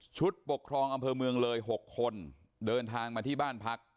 ปกครองอำเภอเมืองเลย๖คนเดินทางมาที่บ้านพัก